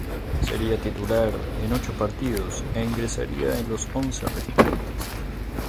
Sería titular en ocho partidos e ingresaría en los once restantes.